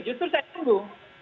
justru saya tunggu